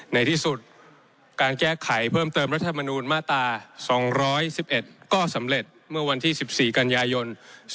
ในที่สุดการแก้ไขเพิ่มเติมรัฐธรรมนูลมาตรา๒๑๑ก็สำเร็จเมื่อวันที่๑๔กันยายน๒๕๖